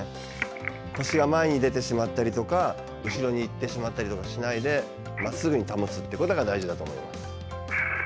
腰が前に出てしまったりとか後ろにいってしまったりとかしないでまっすぐに保つことが大事だと思います。